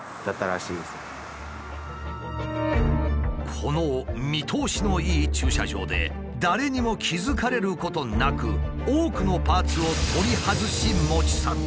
この見通しのいい駐車場で誰にも気付かれることなく多くのパーツを取り外し持ち去ったのだ。